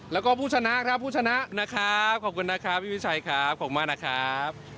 แล้วก็ผู้ชนะครับผู้ชนะนะครับขอบคุณนะครับพี่วิชัยครับขอบคุณมากนะครับ